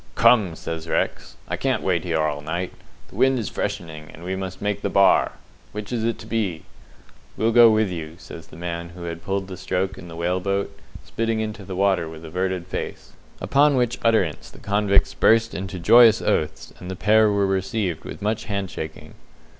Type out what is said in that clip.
"Come," says Rex, "I can't wait here all night. The wind is freshening, and we must make the Bar. Which is it to be?" "We'll go with you!" says the man who had pulled the stroke in the whale boat, spitting into the water with averted face. Upon which utterance the convicts burst into joyous oaths, and the pair were received with much hand shaking.